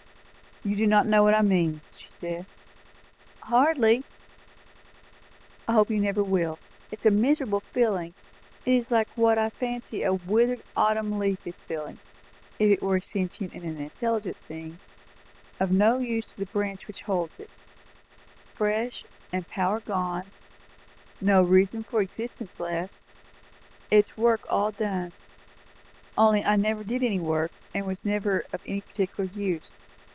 "You do not know what I mean?" she said. "Hardly " "I hope you never will. It is a miserable feeling. It is like what I can fancy a withered autumn leaf feeling, if it were a sentient and intelligent thing; of no use to the branch which holds it freshness and power gone no reason for existence left its work all done. Only I never did any work, and was never of any particular use."